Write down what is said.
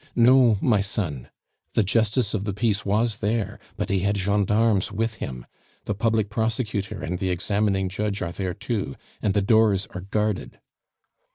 "No, my son. The justice of the peace was there, but he had gendarmes with him. The public prosecutor and the examining judge are there too, and the doors are guarded."